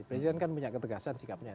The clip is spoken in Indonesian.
presiden kan punya ketegasan sikapnya